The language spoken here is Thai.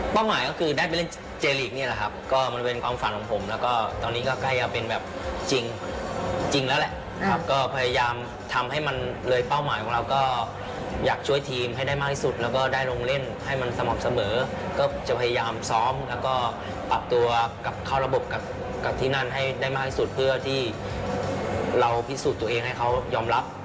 หมายก็คือได้ไปเล่นเจลีกนี่แหละครับก็มันเป็นความฝันของผมแล้วก็ตอนนี้ก็ใกล้จะเป็นแบบจริงแล้วแหละนะครับก็พยายามทำให้มันเลยเป้าหมายของเราก็อยากช่วยทีมให้ได้มากที่สุดแล้วก็ได้ลงเล่นให้มันสม่ำเสมอก็จะพยายามซ้อมแล้วก็ปรับตัวกลับเข้าระบบกับที่นั่นให้ได้มากที่สุดเพื่อที่เราพิสูจน์ตัวเองให้เขายอมรับ